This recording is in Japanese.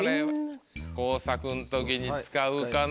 工作の時に使うかな？